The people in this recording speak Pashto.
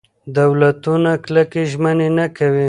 دولتونه کلکې ژمنې نه کوي.